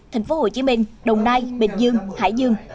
thành phố hồ chí minh đồng nai bình dương hải dương